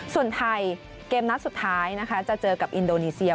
ส่วนไทยเกมนัดสุดท้ายนะคะจะเจอกับอินโดนีเซีย